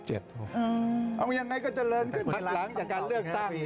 เอายังไงก็เจริญขึ้นพักหลังจากการเลือกตั้ง